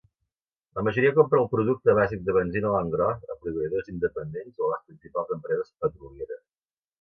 La majoria compra el producte bàsic de benzina a l'engròs a proveïdors independents o a les principals empreses petrolieres.